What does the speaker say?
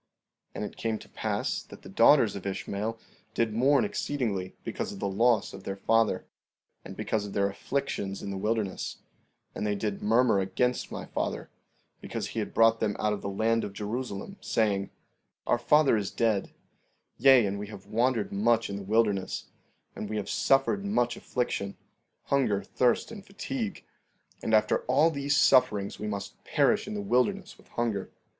16:35 And it came to pass that the daughters of Ishmael did mourn exceedingly, because of the loss of their father, and because of their afflictions in the wilderness; and they did murmur against my father, because he had brought them out of the land of Jerusalem, saying: Our father is dead; yea, and we have wandered much in the wilderness, and we have suffered much affliction, hunger, thirst, and fatigue; and after all these sufferings we must perish in the wilderness with hunger.